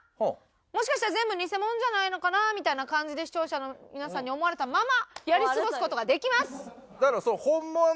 もしかしたら全部偽物じゃないのかなみたいな感じで視聴者の皆さんに思われたままやり過ごす事ができます。